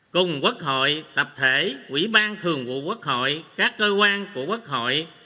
cùng quốc hội tập thể quỹ ban thường vụ quốc hội các cơ quan của quốc hội